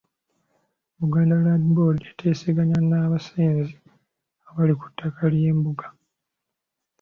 Buganda Land Board eteeseganye n’abasenze abali ku ttaka ly'embuga.